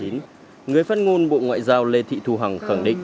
người phát ngôn bộ ngoại giao lê thị thu hằng khẳng định